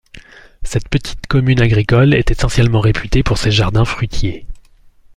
Cette petite commune agricole est essentiellement réputée pour ses jardins fruitiers.